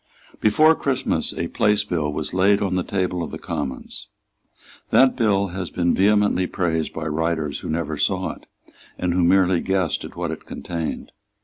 Before Christmas a Place Bill was laid on the table of the Commons. That bill has been vehemently praised by writers who never saw it, and who merely guessed at what it contained.